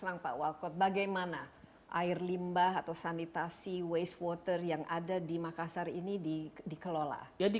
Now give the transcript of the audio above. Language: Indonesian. langpa walcott bagaimana air limbah atau sanitasi wastewater yang ada di makassar ini dikelola jadi